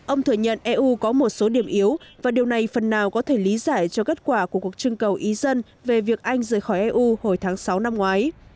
ông thừa nhận eu có một số điểm yếu và điều này phần nào có thể lý giải cho kết quả của cuộc trưng cầu ý dân về việc anh rời khỏi eu hồi tháng sáu năm ngoái